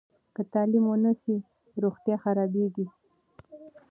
که تعلیم ونه سي، روغتیا خرابېږي.